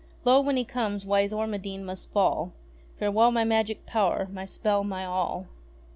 Lo ! when he comes wise Ormadine must fall. Farewell, my magic power, my spell, my all.